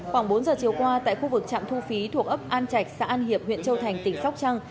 khoảng bốn giờ chiều qua tại khu vực trạm thu phí thuộc ấp an trạch xã an hiệp huyện châu thành tỉnh sóc trăng